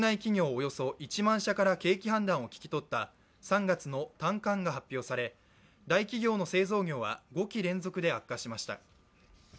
およそ１万社から景気判断を聞き取った３月の短観が発表され、大企業の製造業は５期連続で悪化しました。